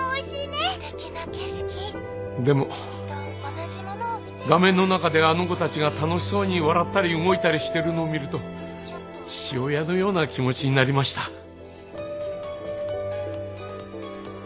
すてきな景色でも画面の中であの子たちが楽しそうに笑ったり動いたりしてるのを見ると父親のような気持ちになりました。